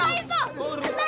ini ada apa sih